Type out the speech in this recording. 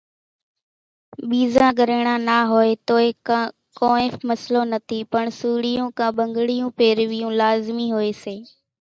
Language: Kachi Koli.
ٻيزان ڳريڻان نا هوئيَ توئيَ ڪونئين مسلو نٿِي پڻ سوڙِيون ڪان ٻنڳڙِيون پيروِيون لازمِي هوئيَ سي۔